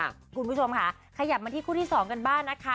คุณผู้ชมค่ะขยับมาที่คู่ที่๒กันบ้างนะคะ